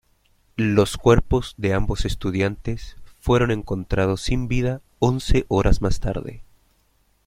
Los cuerpos de ambos estudiantes fueron encontrados sin vida once horas más tarde.